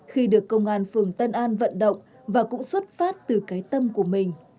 khi được công an phường tân an vận động và cũng xuất phát từ cái tâm của mình